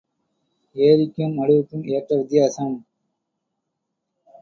ஏரிக்கும் மடுவுக்கும் ஏற்ற வித்தியாசம்.